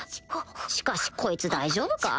しかしこいつ大丈夫か？